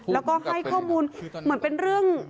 แล้วก็ให้ข้อมูลเหมือนเป็นเรื่อง